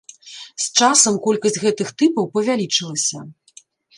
З часам колькасць гэтых тыпаў павялічылася.